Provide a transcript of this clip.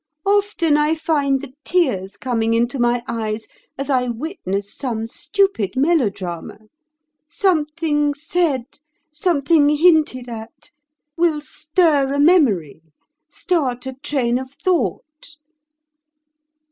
Often I find the tears coming into my eyes as I witness some stupid melodrama—something said, something hinted at, will stir a memory, start a train of thought."